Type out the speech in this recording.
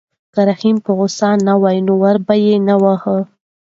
که رحیم غوسه نه وای نو ور به یې نه واهه.